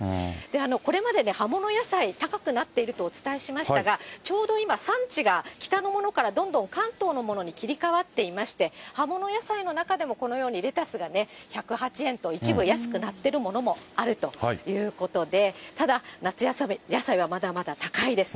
これまで葉物野菜、高くなっているとお伝えしましたが、ちょうど今、産地が北のものからどんどん関東のものに切り替わっていまして、葉物野菜の中でも、このようにレタスがね、１０８円と、一部安くなっているものもあるということで、ただ、夏野菜はまだまだ高いです。